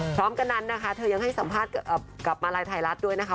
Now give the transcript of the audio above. พร้อมกันนั้นนะคะเธอยังให้สัมภาษณ์กับมาลัยไทยรัฐด้วยนะคะ